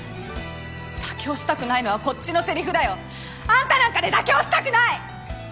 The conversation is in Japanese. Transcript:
妥協したくないのはこっちのせりふだよ。あんたなんかで妥協したくない！